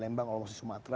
lembang olmosi sumatera